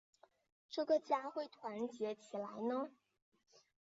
这个家会团结起来呢？